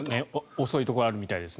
遅いところがあるみたいですね。